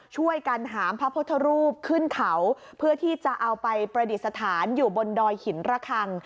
ช่วยกันหามพระพุทธรูปขึ้นเขาเพื่อที่จะเอาไปประดิษฐานอยู่บนดอยหินระคัง